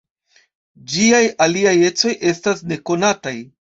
Ĝiaj aliaj ecoj estas nekonataj.